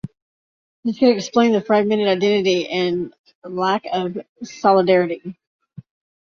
This could explain the fragmented identity and lack of solidarity.